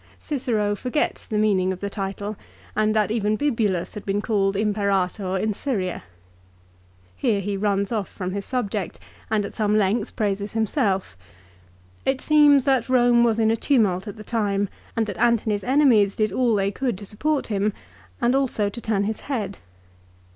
Cicero forgets the meaning of the title, and that even Bibulus had been called Imperator in Syria. Here he runs off from his subject and at some length praises himself. It seems that Borne was in a tumult at the time, and that Antony's enemies did all they could to support him, and also to turn his head.